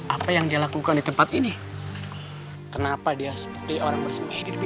apa yang dilakukan di tempat ini kenapa dia seperti orang bersama di